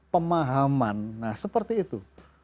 pemahaman nah seperti itu